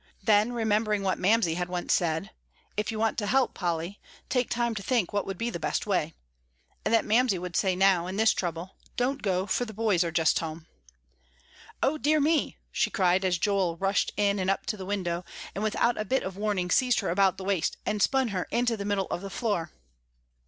Then, remembering what Mamsie had once said, "If you want to help, Polly, take time to think what would be the best way," and that Mamsie would say now, in this trouble, "Don't go, for the boys are just home," "O dear me!" she cried as Joel rushed in and up to the window, and without a bit of warning seized her about the waist and spun her into the middle of the floor.